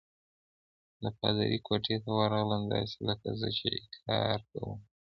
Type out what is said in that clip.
د پادري کوټې ته ورغلم، داسې لکه زه چې اقرار کوم.